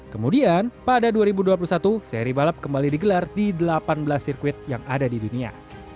kemudian pada dua ribu dua puluh satu seri balap kembali digelar di delapan belas sirkuit yang ada di dunia